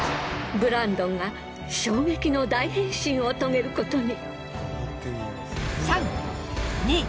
ブランドンが衝撃の大変身をとげることに！